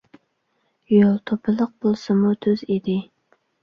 يول توپىلىق بولسىمۇ تۈز ئىدى.